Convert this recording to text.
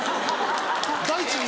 大地に。